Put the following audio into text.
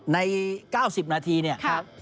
ใน๙๐นาทีเนี่ย